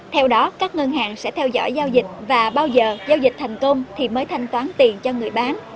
theo đó các ngân hàng sẽ theo dõi giao dịch và bao giờ giao dịch thành công thì mới thanh toán tiền cho người bán